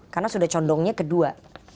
karena sudah condongnya kedua